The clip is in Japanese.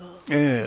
ええ。